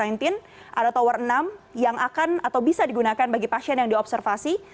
ada tower enam yang akan atau bisa digunakan bagi pasien yang diobservasi